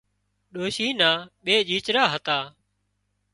ڏوشي نا ٻي ڄيچرا هتا